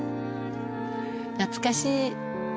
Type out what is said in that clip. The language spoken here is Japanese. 懐かしい。